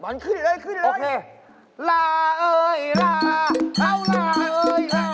วันขึ้นได้เลยขึ้นได้เลยสบายไหมโอเค